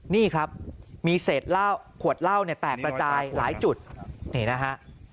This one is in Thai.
นี่ครับมีเศษขวดเหล้าเนี่ยแตกระจายหลายจุดนี่นะฮะ